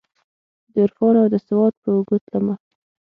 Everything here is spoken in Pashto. دعرفان اودسواد په اوږو تلمه